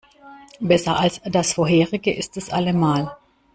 Besser als das vorherige ist es allemal.